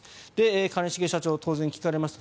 兼重社長は当然聞かれました。